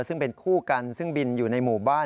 ซึ่งเป็นคู่กันซึ่งบินอยู่ในหมู่บ้าน